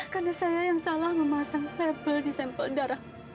karena saya yang salah memasang level disempel darah